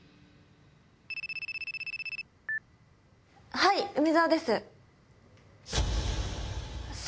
はい梅澤です。